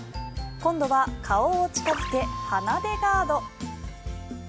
今度は顔を近付け鼻でガード。